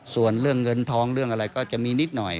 ส่วนเรื่องเงินทองเรื่องอะไรก็จะมีนิดหน่อย